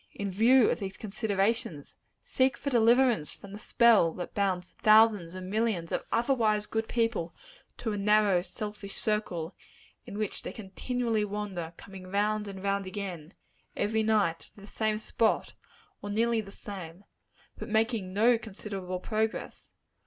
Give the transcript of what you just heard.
in view of these considerations, seek for deliverance from the spell that binds thousands and millions of otherwise good people to a narrow, selfish circle, in which they continually wander coming round and round again, every night, to the same spot, or nearly the same, but making no considerable progress?